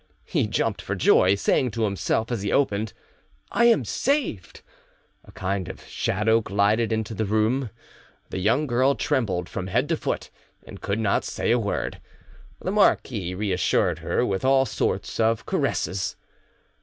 He jumped for joy, saying to himself as he opened, "I am saved!" A kind of shadow glided into the room; the young girl trembled from head to foot, and could not say a word. The marquis reassured her with all sorts of caresses.